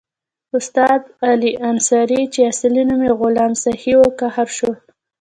استاد علي انصاري چې اصلي نوم یې غلام سخي وو قهر شو.